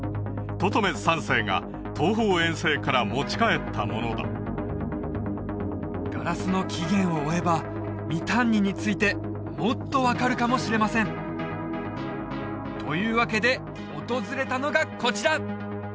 トトメス３世が東方遠征から持ち帰ったものだガラスの起源を追えばミタンニについてもっと分かるかもしれませんというわけで訪れたのがこちら！